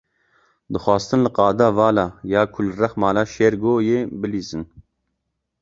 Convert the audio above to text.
Dixwastin li qada vala ya ku li rex mala Şêrgo ye, bilîzin.